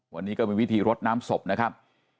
วันนี้ก็มีวิธีรดน้ำศพนะครับ